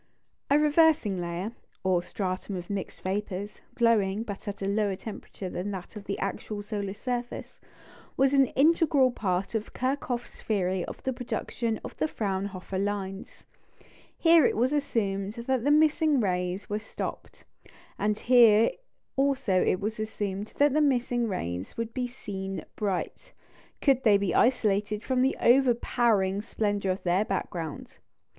A "reversing layer," or stratum of mixed vapours, glowing, but at a lower temperature than that of the actual solar surface, was an integral part of Kirchhoff's theory of the production of the Fraunhofer lines. Here it was assumed that the missing rays were stopped, and here also it was assumed that the missing rays would be seen bright, could they be isolated from the overpowering splendour of their background.